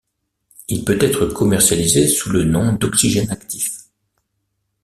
Il peut être commercialisé sous le nom d'oxygène actif.